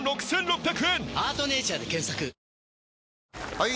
・はい！